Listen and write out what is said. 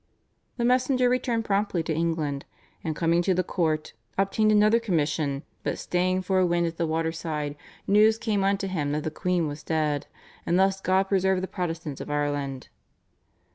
The messenger returned promptly to England, "and coming to the court, obtained another commission, but staying for a wind at the waterside, news came unto him that the queen was dead. And thus God preserved the Protestants of Ireland."